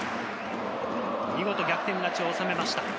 見事逆転勝ちを収めました。